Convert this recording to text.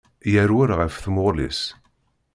Yerwel ɣef tmuɣli-s.